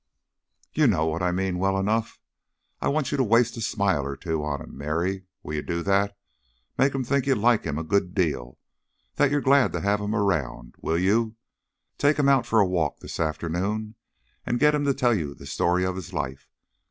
"You know what I mean well enough. I want you to waste a smile or two on him, Mary. Will you do that? Make him think you like him a good deal, that you're glad to have him around. Will you? Take him out for a walk this afternoon and get him to tell you the story of his life.